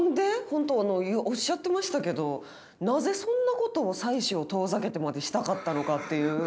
本当おっしゃってましたけどなぜそんなことを妻子を遠ざけてまでしたかったのかっていう。